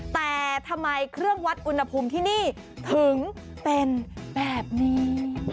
แต่ทำไมเครื่องวัดอุณหภูมิที่นี่ถึงเป็นแบบนี้